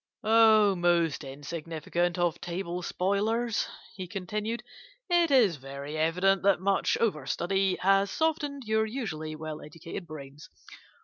'Oh, most insignificant of table spoilers,' he continued, 'it is very evident that much over study has softened your usually well educated brains.